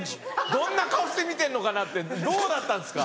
どんな顔して見てんのかなってどうだったんですか？